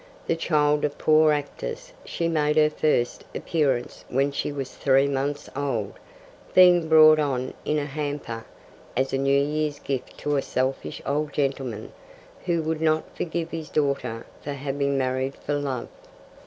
The child of poor actors, she made her first appearance when she was three months old, being brought on in a hamper as a New Year's gift to a selfish old gentleman who would not forgive his daughter for having married for love.